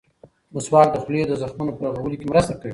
مسواک د خولې د زخمونو په رغولو کې مرسته کوي.